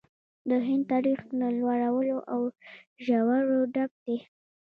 د هند تاریخ له لوړو او ژورو ډک دی.